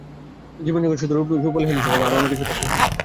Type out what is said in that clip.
জীবনসঙ্গী শুধু রূপসী হলেই চলবে না, তাঁর মধ্যে গুণও থাকতে হবে।